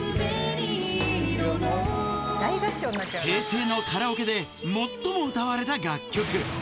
平成のカラオケで、最も歌われた名曲。